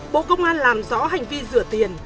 bộ công an làm rõ hành vi rửa tiền